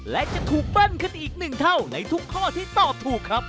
และจะถูกเบิ้ลขึ้นอีกหนึ่งเท่าในทุกข้อที่ตอบถูกครับ